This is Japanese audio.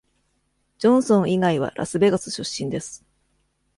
ジョンソン以外はラスベガス出身です。